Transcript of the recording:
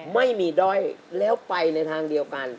ไม่มีด้อยแล้วไปในทางเดียวกัน